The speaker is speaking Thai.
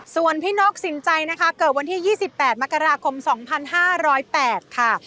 ส่วนพี่นกสินใจนะคะเกิดวันที่๒๘มกราคม๒๕๐๘ค่ะ